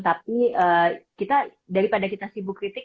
tapi kita daripada kita sibuk kritik